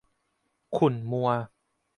ขุ่นมัว